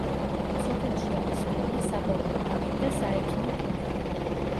სოფელში არის სკოლა, საბავშვო ბაღი და საექიმო პუნქტი.